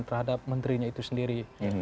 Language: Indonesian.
terhadap menterinya itu sendiri